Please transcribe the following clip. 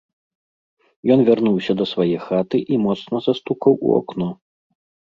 Ён вярнуўся да свае хаты і моцна застукаў у акно.